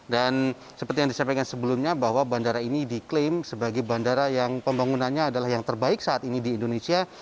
dan seperti yang disampaikan sebelumnya bahwa bandara ini diklaim sebagai bandara yang pembangunannya adalah yang terbaik saat ini di indonesia